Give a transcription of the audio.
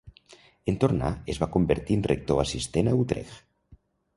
En tornar, es va convertir en rector assistent a Utrecht.